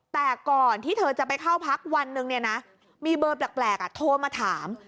แต่ก่อนที่เธอจะไปเข้าพักวันหนึ่งเนี่ยนะมีเบอร์แปลกโทรมาถาม